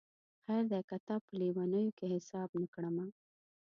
خیر دی که تا په لېونیو کي حساب نه کړمه